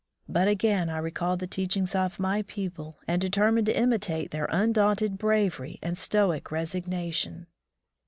But again I recalled the teachings of my people, and determined to imitate their undaunted bravery and stoic resignation.